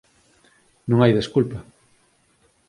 Non hai desculpa.